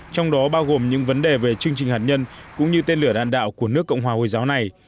trong đó bao gồm những vấn đề về chương trình hạt nhân cũng như tên lửa đạn đạo của nước cộng hòa hồi giáo này